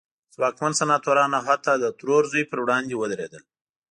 ځواکمن سناتوران او حتی د ترور زوی پر وړاندې ودرېدل.